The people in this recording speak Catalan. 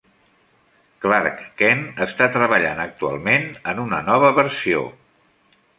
Klark Kent està treballant actualment en una nova versió.